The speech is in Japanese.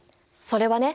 それはね